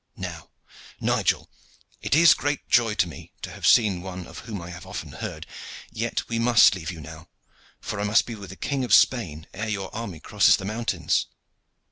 Now, Nigel, it is great joy to me to have seen one of whom I have often heard. Yet we must leave you now, for I must be with the King of Spain ere your army crosses the mountains."